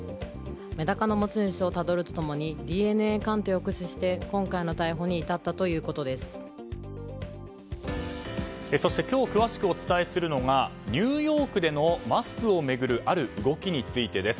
メダカの持ち主をたどると共にＤＮＡ鑑定を駆使して今回の逮捕にそして今日詳しくお伝えするのがニューヨークでのマスクを巡るある動きについてです。